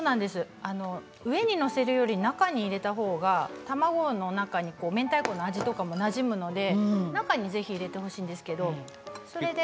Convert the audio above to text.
上に載せるより中に入れたほうが卵の中に明太子の味とかもなじむので中にぜひ入れてほしいんですけど。